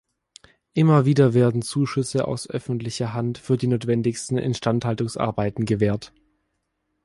Immer wieder werden Zuschüsse aus öffentlicher Hand für die notwendigsten Instandhaltungsarbeiten gewährt.